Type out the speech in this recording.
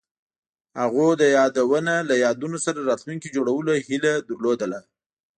هغوی د یادونه له یادونو سره راتلونکی جوړولو هیله لرله.